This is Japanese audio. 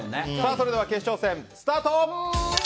それでは決勝戦スタート！